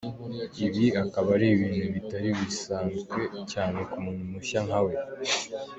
Ibi akaba ari ibintu bitari bisanzwe cyane ku muntu mushya nkawe.